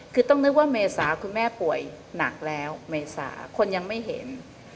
คือต้องนึกว่าเมษาคุณแม่ป่วยหนักแล้วเมษาคนยังไม่เห็น